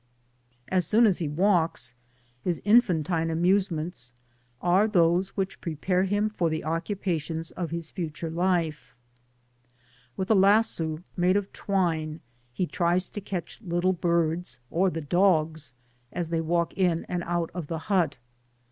As soon as he walks, his infantine amuse c 2 Digitized byGoogk ^ BESCBIFTIVE OUTLll^E ments are those wbich prepare him for the occupa tions of his future life: with a lasso made of twine he tries to catch little birds, or the dogs, as they walk in and out of the hut.